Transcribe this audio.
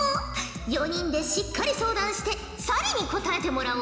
４人でしっかり相談して咲莉に答えてもらおう。